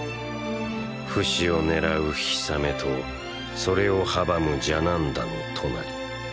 フシを狙うヒサメとそれを阻むジャナンダのトナリ。